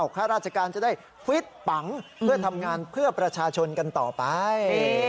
ข้าราชการจะได้ฟิตปังเพื่อทำงานเพื่อประชาชนกันต่อไป